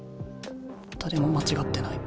誰も間違ってない。